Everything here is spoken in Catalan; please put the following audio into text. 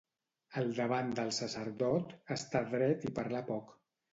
Al davant del sacerdot, estar dret i parlar poc.